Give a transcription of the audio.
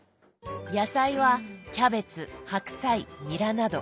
野菜はキャベツ白菜ニラなど。